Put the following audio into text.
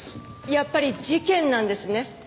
やっぱり事件なんですね。